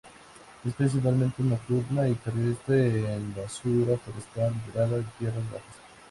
Es principalmente nocturna y terrestre, en basura forestal, ladera y tierras bajas.